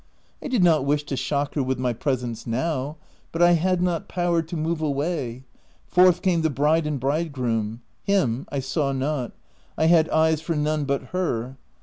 I did not wish to shock her with my presence now, but I had not power to move away. Forth came the bride and bridegroom. Him I saw not ; I had eyes for none but her.